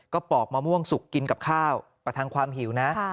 ก็ปอกมะม่วงสุกกินกับข้าวประทังความหิวนะ